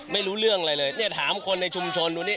ไม่รู้เรื่องอะไรเลยนี่ถามคนในชุมชน